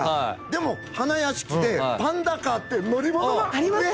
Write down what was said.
でも花やしきでパンダカーって乗り物が。あります！